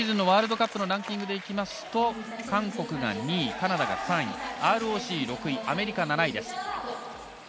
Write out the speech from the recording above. ワールドカップのランキングでいくと韓国が２位カナダが３位ＲＯＣ、６位アメリカ、７位です。